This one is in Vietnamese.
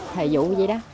thời vụ gì đó